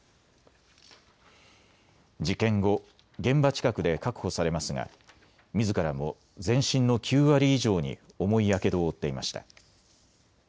事件後、現場近くで確保されますがみずからも全身の９割以上に重いやけどを負っていました。